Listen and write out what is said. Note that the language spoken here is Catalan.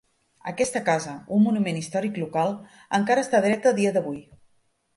Aquesta casa, un monument històric local, encara està dreta a dia d'avui.